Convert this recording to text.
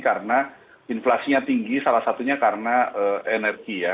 karena inflasinya tinggi salah satunya karena energi ya